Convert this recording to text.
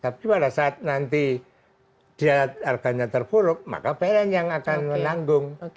tapi pada saat nanti dia harganya terpuruk maka pln yang akan menanggung